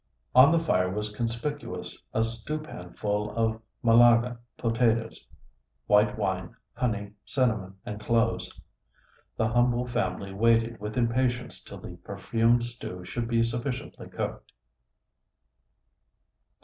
On the fire was conspicuous a stew pan full of Malaga potatoes, white wine, honey, cinnamon, and cloves. The humble family waited with impatience till the perfumed stew should be sufficiently cooked.